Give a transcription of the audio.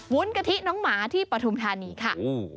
กะทิน้องหมาที่ปฐุมธานีค่ะ